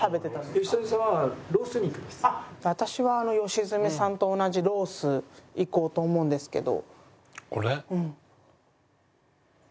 私は良純さんと同じロースいこうと思うんですけど。